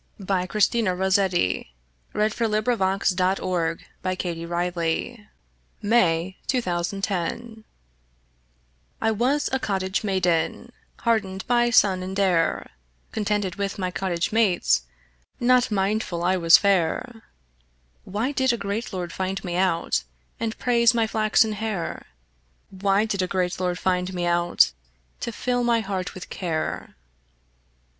Christina Rossetti Cousin Kate I WAS a cottage maiden Hardened by sun and air Contented with my cottage mates, Not mindful I was fair. Why did a great lord find me out, And praise my flaxen hair? Why did a great lord find me out, To fill my heart with care?